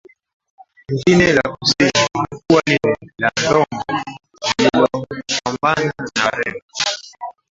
lingine la kusini lilikuwa lile la Ndongo lililopambana na Wareno